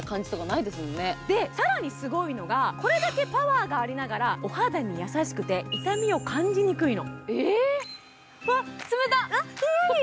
更にすごいのが、これだけパワーがありながらお肌に優しくて、痛みを感じにくいの。